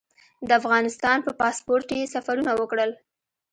د افغانستان په پاسپورټ یې سفرونه وکړل.